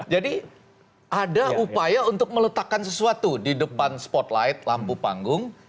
jadi ada upaya untuk meletakkan sesuatu di depan spotlight lampu panggung